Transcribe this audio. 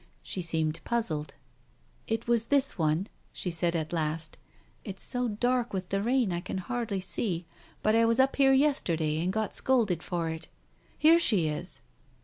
She seemed puzzled. "It was this one," she said at last. "It's so dark with the rain I can hardly see, but I was up here yesterday and got scolded for it. ... Here she is